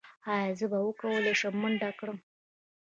ایا زه به وکولی شم منډه کړم؟